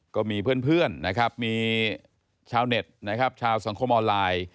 ก็มีเพื่อนมีชาวเน็ตชาวสังคมออนไลน์